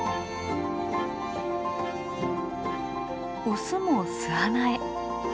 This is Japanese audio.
オスも巣穴へ。